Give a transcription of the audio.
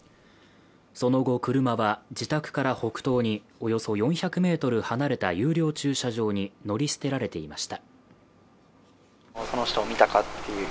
その後、車は自宅からおよそ４００ｍ離れた有料駐車場に乗り捨てられていました。